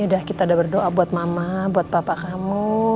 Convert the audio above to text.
yaudah kita udah berdoa buat mama buat papa kamu